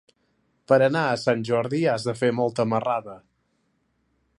Per anar a Sant Jordi has de fer molta marrada.